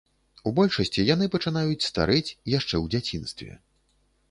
У большасці яны пачынаюць старэць яшчэ ў дзяцінстве.